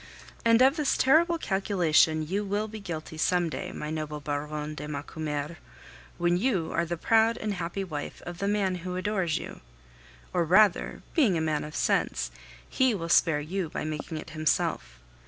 And of this terrible calculation you will be guilty some day, my noble Baronne de Macumer, when you are the proud and happy wife of the man who adores you; or rather, being a man of sense, he will spare you by making it himself.